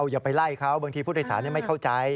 อย่าไปไล่เขาบางทีผู้โดยสารไม่เข้าใจ